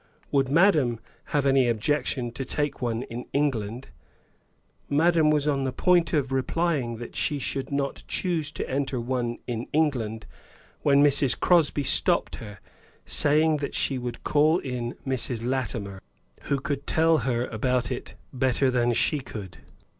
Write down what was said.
Would madame have any objection to take one in England? Madame was upon the point of replying that she should not choose to enter one in England, when Mrs. Crosby stopped her, saying that she would call in Mrs. Latimer, who could tell her about it better than she could.